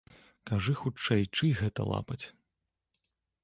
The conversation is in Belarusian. Кажы хутчэй, чый гэта лапаць?